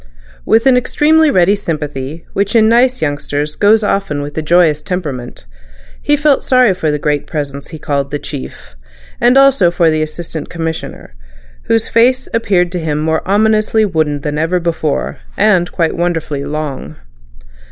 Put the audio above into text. With an extremely ready sympathy, which in nice youngsters goes often with a joyous temperament, he felt sorry for the great Presence he called "The Chief," and also for the Assistant Commissioner, whose face appeared to him more ominously wooden than ever before, and quite wonderfully long.